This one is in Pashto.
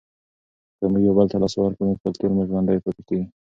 که موږ یو بل ته لاس ورکړو کلتور مو ژوندی پاتې کیږي.